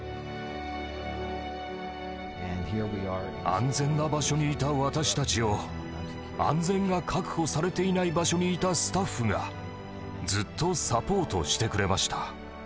安全な場所にいた私たちを安全が確保されていない場所にいたスタッフがずっとサポートしてくれました。